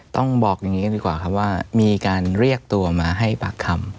ต้องบอกอย่างนี้ดีกว่าครับว่ามีการเรียกตัวมาให้ปากคำ